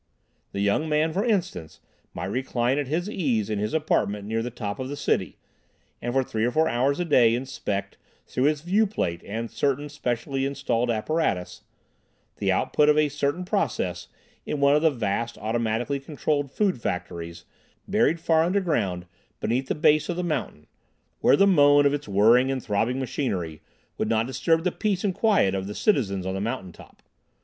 The young man, for instance, might recline at his ease in his apartment near the top of the city, and for three or four hours a day inspect, through his viewplate and certain specially installed apparatus, the output of a certain process in one of the vast automatically controlled food factories buried far underground beneath the base of the mountain, where the moan of its whirring and throbbing machinery would not disturb the peace and quiet of the citizens on the mountain top.